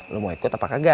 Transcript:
lo mau ikut apa kagak